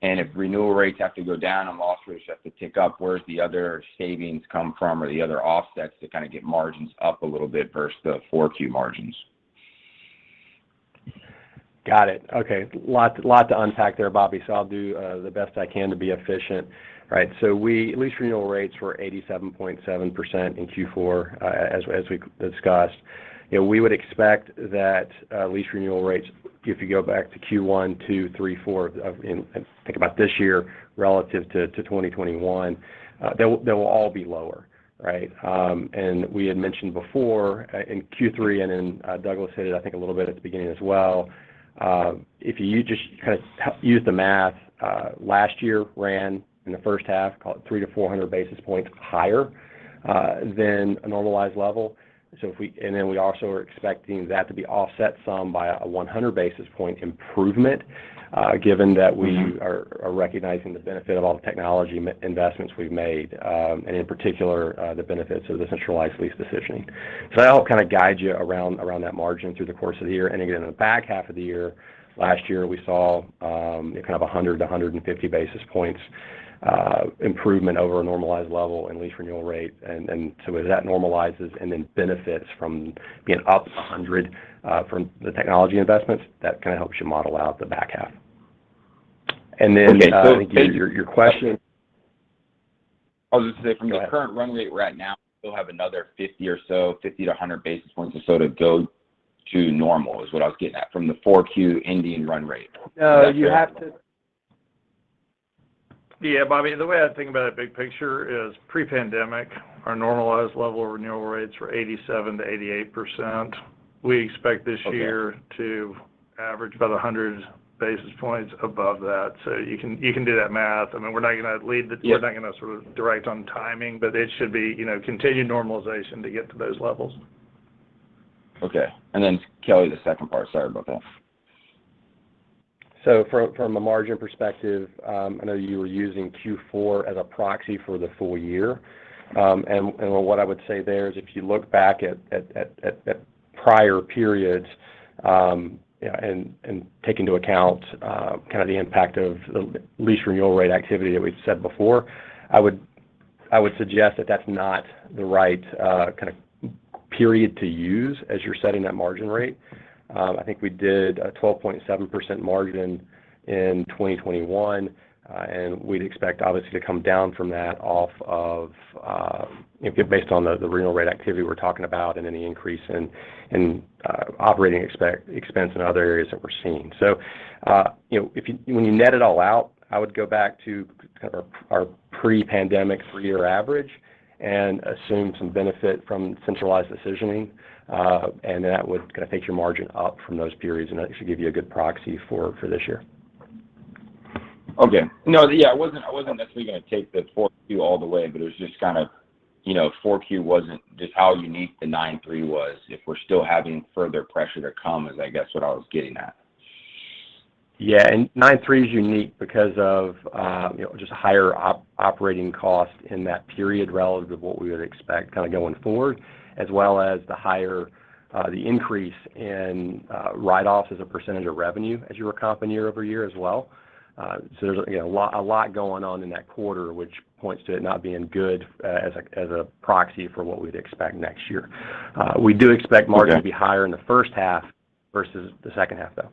If renewal rates have to go down and losses have to tick up, where does the other savings come from or the other offsets to kind of get margins up a little bit versus the Q4 margins?
Got it. Okay. Lot to unpack there, Bobby, so I'll do the best I can to be efficient, right? Lease renewal rates were 87.7% in Q4, as we discussed. You know, we would expect that, lease renewal rates, if you go back to Q1, Q2, Q3, Q4, think about this year relative to 2021, they will all be lower, right? We had mentioned before in Q3, and then Douglas stated, I think, a little bit at the beginning as well, if you just kind of use the math, last year ran in the first half call it 300-400 basis points higher than a normalized level. We also are expecting that to be offset some by a 100 basis point improvement, given that we are recognizing the benefit of all the technology investments we've made, and in particular, the benefits of the centralized lease decisioning. That'll kind of guide you around that margin through the course of the year. Again, in the back half of the year, last year, we saw kind of 100 to 150 basis points improvement over a normalized level and lease renewal rate. As that normalizes and then benefits from being up 100 from the technology investments, that kind of helps you model out the back half.
Okay. So-
I think your question.
I'll just say from the current run rate right now, you'll have another 50 or so, 50 to 100 basis points or so to go to normal, is what I was getting at, from the 4Q ending run rate.
No, you have to
Yeah, Bobby, the way I think about it big picture is pre-pandemic, our normalized level of renewal rates were 87%-88%. We expect this year.
Okay
to average about 100 basis points above that. You can do that math. I mean, we're not gonna lead the-
Yeah
We're not gonna sort of dictate on timing, but it should be, you know, continued normalization to get to those levels.
Okay. Kelly, the second part. Sorry about that.
From a margin perspective, I know you were using Q4 as a proxy for the full-year. What I would say there is if you look back at prior periods, you know, and take into account kind of the impact of the lease renewal rate activity that we've said before, I would suggest that that's not the right kind of period to use as you're setting that margin rate. I think we did a 12.7% margin in 2021. We'd expect obviously to come down from that off of based on the renewal rate activity we're talking about and any increase in operating expense in other areas that we're seeing. You know, if you... When you net it all out, I would go back to kind of our pre-pandemic three-year average and assume some benefit from centralized decisioning. That would kind of take your margin up from those periods, and that should give you a good proxy for this year.
Okay. No, yeah, I wasn't necessarily gonna take the 4Q all the way, but it was just kind of, you know, 4Q wasn't just how unique the 9-three was if we're still having further pressure to come is I guess what I was getting at.
Yeah. Q3 is unique because of, you know, just higher operating costs in that period relative to what we would expect kind of going forward, as well as the higher increase in write-offs as a percentage of revenue as you were comping year-over-year as well. There's, you know, a lot going on in that quarter, which points to it not being good, as a proxy for what we'd expect next year. We do expect margin-
Okay...
to be higher in the first half versus the second half, though.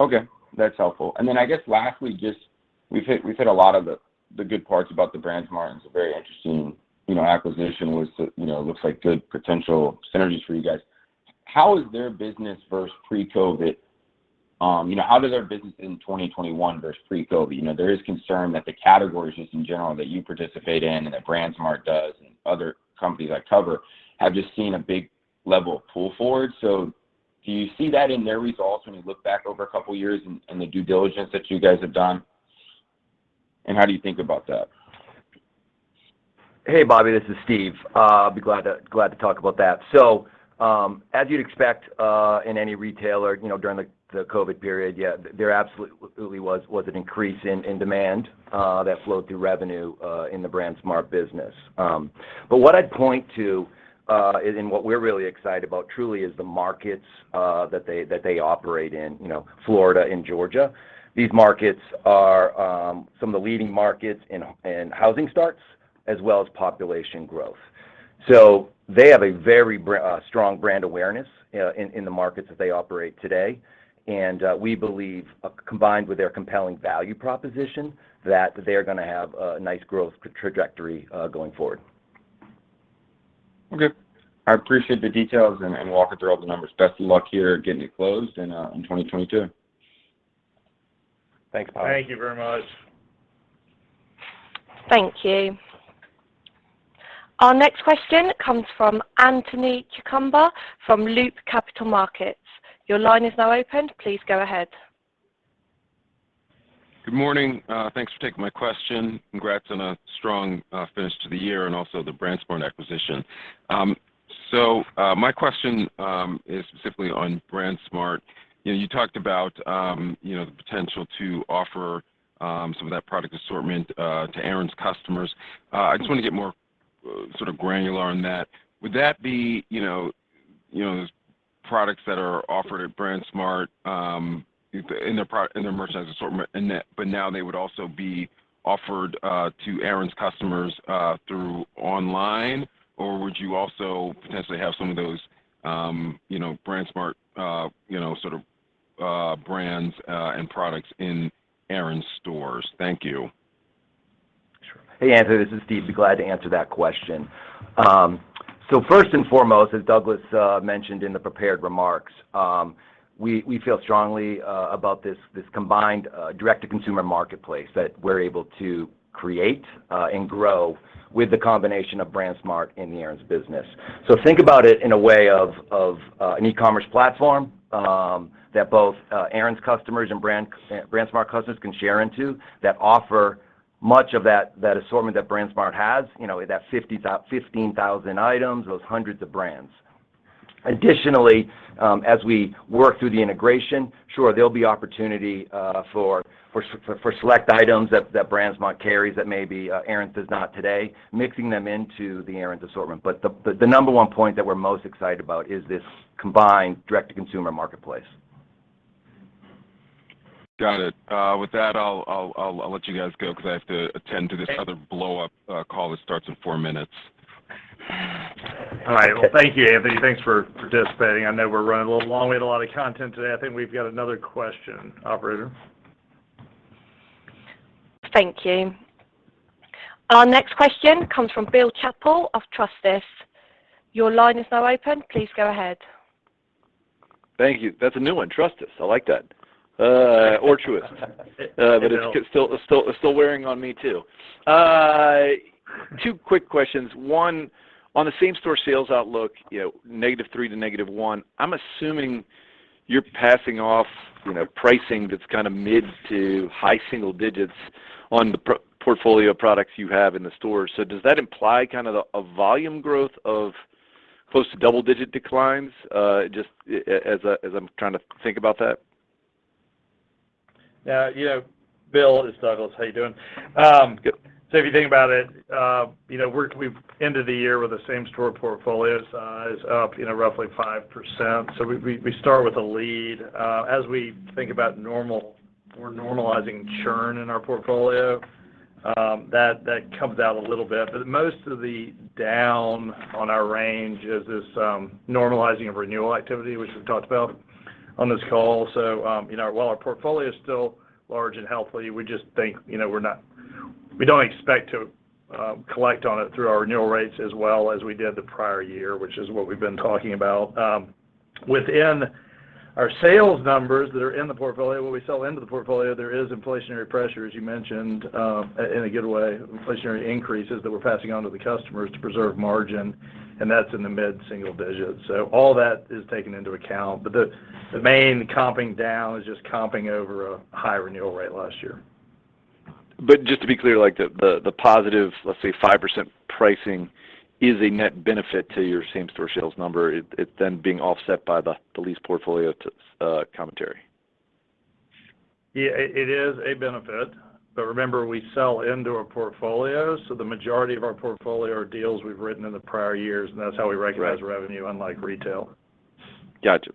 Okay. That's helpful. I guess lastly, just we've hit a lot of the good parts about the BrandsMart. It's a very interesting, you know, acquisition with, you know, looks like good potential synergies for you guys. How is their business versus pre-COVID? You know, how does their business in 2021 versus pre-COVID? You know, there is concern that the categories just in general that you participate in and that BrandsMart does and other companies I cover have just seen a big level of pull forward. Do you see that in their results when you look back over a couple of years and the due diligence that you guys have done, and how do you think about that?
Hey, Bobby, this is Steve. I'd be glad to talk about that. As you'd expect, in any retailer, you know, during the COVID period, yeah, there absolutely was an increase in demand that flowed through revenue in the BrandsMart business. But what I'd point to and what we're really excited about truly is the markets that they operate in, you know, Florida and Georgia. These markets are some of the leading markets in housing starts as well as population growth. They have a very strong brand awareness in the markets that they operate today. We believe, combined with their compelling value proposition, that they're gonna have a nice growth trajectory going forward.
Okay. I appreciate the details and walking through all the numbers. Best of luck here getting it closed and in 2022.
Thanks, Bobby.
Thank you very much.
Thank you. Our next question comes from Anthony Chukumba from Loop Capital Markets. Your line is now open. Please go ahead.
Good morning. Thanks for taking my question. Congrats on a strong finish to the year and also the BrandsMart acquisition. So, my question is specifically on BrandsMart. You know, you talked about the potential to offer some of that product assortment to Aaron's customers. I just want to get more sort of granular on that. Would that be, you know, those products that are offered at BrandsMart in their merchandise assortment, but now they would also be offered to Aaron's customers through online, or would you also potentially have some of those, you know, BrandsMart sort of brands and products in Aaron's stores? Thank you.
Sure. Hey, Anthony, this is Steve. Be glad to answer that question. First and foremost, as Douglas mentioned in the prepared remarks, we feel strongly about this combined direct-to-consumer marketplace that we're able to create and grow with the combination of BrandsMart in the Aaron's business. Think about it in a way of an e-commerce platform that both Aaron's customers and BrandsMart customers can share into that offer much of that assortment that BrandsMart has. You know, that 15,000 items, those hundreds of brands. Additionally, as we work through the integration, there'll be opportunity for select items that BrandsMart carries that maybe Aaron's does not today, mixing them into the Aaron's assortment. The number one point that we're most excited about is this combined direct-to-consumer marketplace.
Got it. With that I'll let you guys go 'cause I have to attend to this other blowup call that starts in four minutes.
All right. Well, thank you, Anthony. Thanks for participating. I know we're running a little long. We had a lot of content today. I think we've got another question. Operator?
Thank you. Our next question comes from Bill Chappell of Truist. Your line is now open. Please go ahead.
Thank you. That's a new one, Truist. I like that. Or Truist. But it's still wearing on me, too. Two quick questions. One, on the same-store sales outlook, you know, -3% to -1%, I'm assuming you're passing off, you know, pricing that's kind of mid- to high-single digits% on the portfolio of products you have in the store. Does that imply kind of the, a volume growth of close to double-digit declines? Just as I'm trying to think about that.
Yeah, you know, Bill, it's Douglas. How you doing?
Good.
If you think about it, you know, we've ended the year with the same-store portfolio size up, you know, roughly 5%. We start with a lead. As we think about normal or normalizing churn in our portfolio, that comes down a little bit. Most of the down on our range is this normalizing of renewal activity, which we've talked about on this call. You know, while our portfolio is still large and healthy, we just think, you know, we don't expect to collect on it through our renewal rates as well as we did the prior year, which is what we've been talking about. Within our sales numbers that are in the portfolio, what we sell into the portfolio, there is inflationary pressure, as you mentioned, in a good way. Inflationary increases that we're passing on to the customers to preserve margin, and that's in the mid-single digits. All that is taken into account. The main comping down is just comping over a high renewal rate last year.
Just to be clear, like, the positive, let's say 5% pricing is a net benefit to your same-store sales number. It's then being offset by the lease portfolio too, commentary.
Yeah. It is a benefit. Remember, we sell into our portfolio, so the majority of our portfolio are deals we've written in the prior years, and that's how we recognize revenue unlike retail.
Gotcha.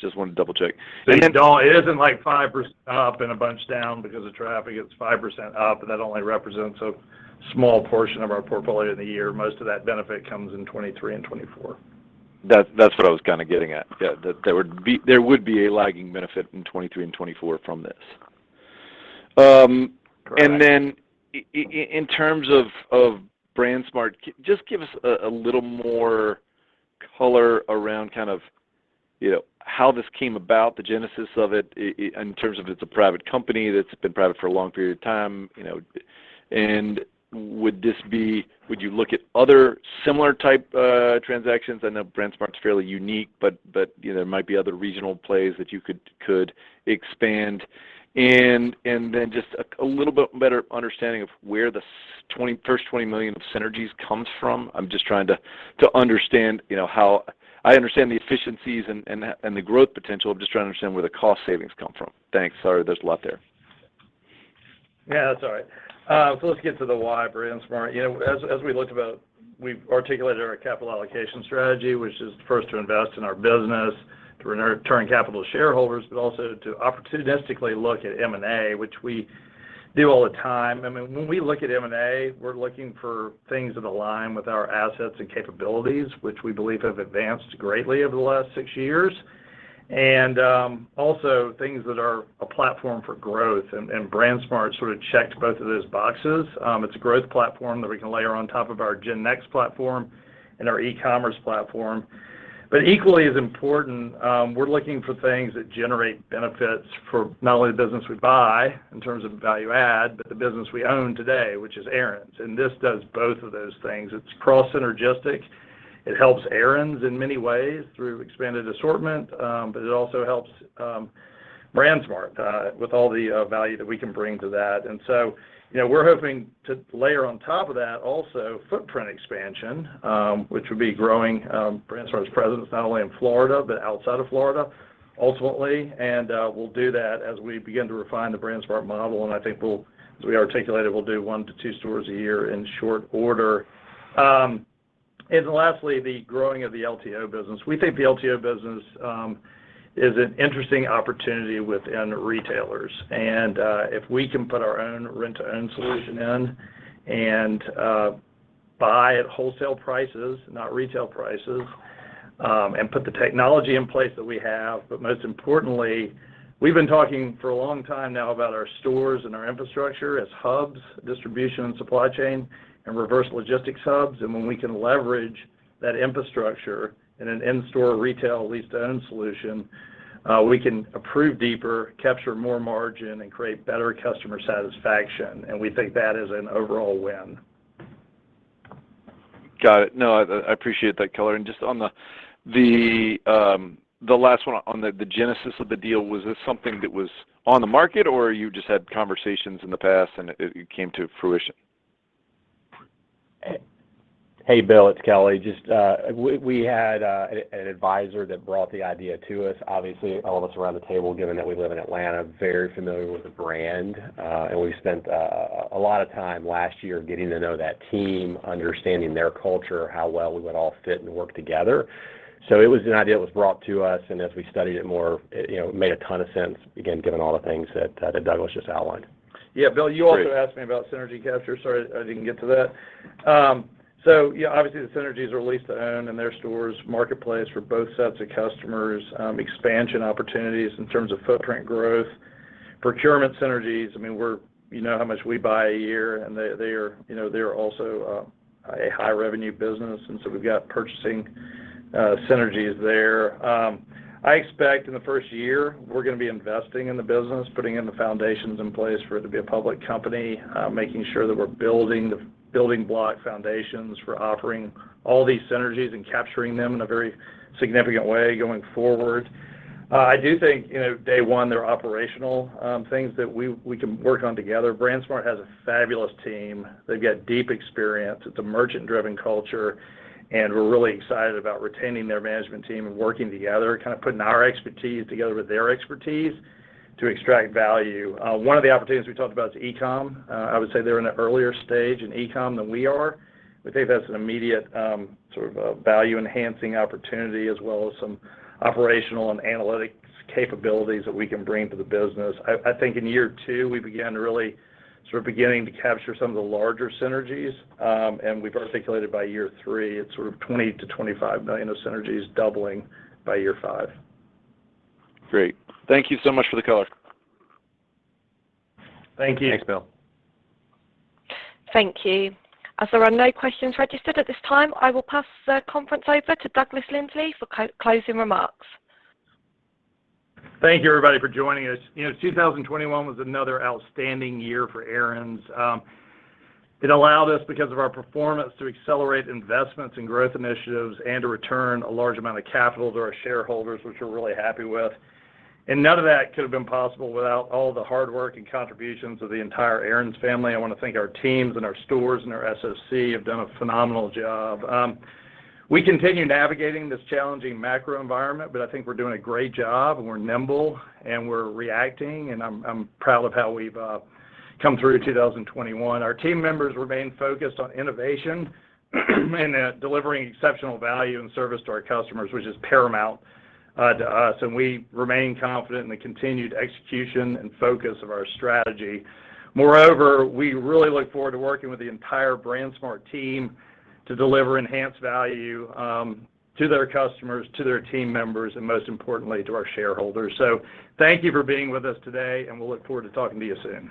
Just wanted to double-check.
It isn't like 5% up and a bunch down because of traffic. It's 5% up, and that only represents a small portion of our portfolio in the year. Most of that benefit comes in 2023 and 2024.
That's what I was kind of getting at, yeah, that there would be a lagging benefit in 2023 and 2024 from this.
Correct.
In terms of BrandsMart, just give us a little more color around kind of, you know, how this came about, the genesis of it in terms of it's a private company that's been private for a long period of time, you know. Would you look at other similar type transactions? I know BrandsMart's fairly unique, but you know, there might be other regional plays that you could expand and then just a little bit better understanding of where the first $20 million of synergies comes from. I'm just trying to understand, you know. I understand the efficiencies and the growth potential. I'm just trying to understand where the cost savings come from. Thanks. Sorry, there's a lot there.
Yeah, that's all right. Let's get to the why BrandsMart. You know, as we looked about, we've articulated our capital allocation strategy, which is first to invest in our business, to return capital to shareholders, but also to opportunistically look at M&A, which we do all the time. I mean, when we look at M&A, we're looking for things that align with our assets and capabilities, which we believe have advanced greatly over the last six years, and also things that are a platform for growth. BrandsMart sort of checked both of those boxes. It's a growth platform that we can layer on top of our GenNext platform and our e-commerce platform. Equally as important, we're looking for things that generate benefits for not only the business we buy in terms of value add, but the business we own today, which is Aaron's. This does both of those things. It's cross-synergistic. It helps Aaron's in many ways through expanded assortment, but it also helps BrandsMart with all the value that we can bring to that. You know, we're hoping to layer on top of that also footprint expansion, which would be growing BrandsMart's presence not only in Florida but outside of Florida ultimately. We'll do that as we begin to refine the BrandsMart model, and I think we'll, as we articulated, do one to two stores a year in short order. Lastly, the growing of the LTO business. We think the LTO business is an interesting opportunity within retailers, and if we can put our own rent-to-own solution in and buy at wholesale prices, not retail prices, and put the technology in place that we have. But most importantly, we've been talking for a long time now about our stores and our infrastructure as hubs, distribution and supply chain and reverse logistics hubs, and when we can leverage that infrastructure in an in-store retail lease-to-own solution, we can approve deeper, capture more margin, and create better customer satisfaction, and we think that is an overall win.
Got it. No, I appreciate that color. Just on the last one on the genesis of the deal, was this something that was on the market, or you just had conversations in the past and it came to fruition?
Hey, Bill, it's Kelly. We had an advisor that brought the idea to us. Obviously, all of us around the table, given that we live in Atlanta, very familiar with the brand, and we spent a lot of time last year getting to know that team, understanding their culture, how well we would all fit and work together. It was an idea that was brought to us, and as we studied it more, it, you know, it made a ton of sense, again, given all the things that Douglas just outlined.
Yeah, Bill, you also asked me about synergy capture. Sorry I didn't get to that. Yeah, obviously the synergies are lease to own and their stores marketplace for both sets of customers, expansion opportunities in terms of footprint growth, procurement synergies. I mean, you know how much we buy a year, and they are, you know, also a high revenue business, and so we've got purchasing synergies there. I expect in the first year we're gonna be investing in the business, putting in the foundations in place for it to be a public company, making sure that we're building block foundations for offering all these synergies and capturing them in a very significant way going forward. I do think, you know, day one there are operational things that we can work on together. BrandsMart has a fabulous team. They've got deep experience. It's a merchant-driven culture, and we're really excited about retaining their management team and working together, kind of putting our expertise together with their expertise to extract value. One of the opportunities we talked about is e-com. I would say they're in an earlier stage in e-com than we are. We think that's an immediate sort of a value-enhancing opportunity as well as some operational and analytics capabilities that we can bring to the business. I think in year two, we begin to really sort of beginning to capture some of the larger synergies, and we've articulated by year three, it's sort of $20-25 million of synergies doubling by year five.
Great. Thank you so much for the color.
Thank you.
Thanks, Bill.
Thank you. As there are no questions registered at this time, I will pass the conference over to Douglas Lindsay for closing remarks.
Thank you, everybody, for joining us. You know, 2021 was another outstanding year for Aaron's. It allowed us, because of our performance, to accelerate investments in growth initiatives and to return a large amount of capital to our shareholders, which we're really happy with. None of that could have been possible without all the hard work and contributions of the entire Aaron's family. I wanna thank our teams and our stores and our SOC have done a phenomenal job. We continue navigating this challenging macro environment, but I think we're doing a great job, and we're nimble, and we're reacting, and I'm proud of how we've come through 2021. Our team members remain focused on innovation and delivering exceptional value and service to our customers, which is paramount to us, and we remain confident in the continued execution and focus of our strategy. Moreover, we really look forward to working with the entire BrandsMart team to deliver enhanced value to their customers, to their team members, and most importantly, to our shareholders. Thank you for being with us today, and we'll look forward to talking to you soon.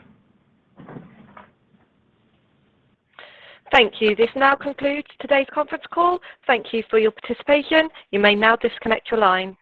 Thank you. This now concludes today's conference call. Thank you for your participation. You may now disconnect your line.